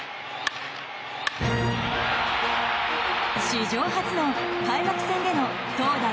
史上初の開幕戦での投打